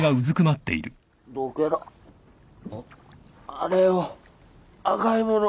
あれを赤いもの。